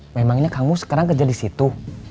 memangnya kamus sekarang kerja disitu